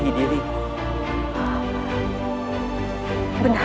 tidak ada masalah